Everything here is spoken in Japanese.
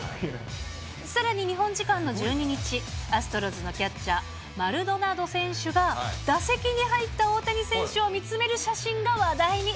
さらに日本時間の１２日、アストロズのキャッチャー、マルドナド選手が打席に入った大谷選手を見つめる写真が話題に。